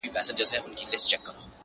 يا دي ښايي بله سترگه در ړنده كړي-